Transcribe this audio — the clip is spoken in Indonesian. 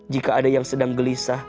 jika ada yang sedang gelisah